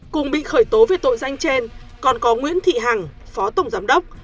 cùng bị khởi tố về tội danh trên còn có nguyễn thị hằng phó tổng giám đốc